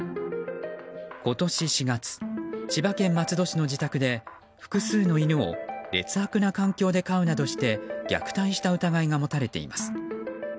今年４月、千葉県松戸市の自宅で複数の犬を劣悪な環境で飼うなどして虐待した疑いが持たれています。